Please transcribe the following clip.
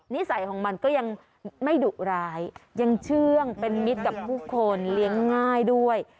นิสัยของมันก็ยังไม่ดุร้ายยังเชื่องเป็นมิตรกับผู้คนเลี้ยงง่ายด้วย